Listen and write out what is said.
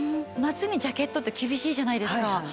夏にジャケットって厳しいじゃないですか。